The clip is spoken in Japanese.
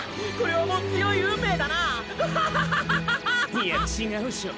いや違うショ。